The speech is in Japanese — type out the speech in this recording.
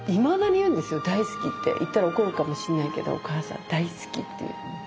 言ったら怒るかもしれないけど「お母さん大好き」って言う。